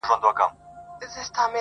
موږ به تر کله د لمبو له څنګه شپې تېروو.!